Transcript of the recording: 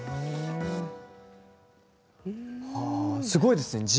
すごいですね。